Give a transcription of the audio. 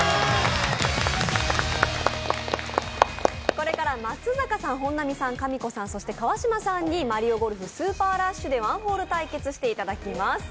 これから松坂さん本並さん、かみこさん、そして川島さんに「マリオゴルフスーパーラッシュ」で１ホール対決していただきます。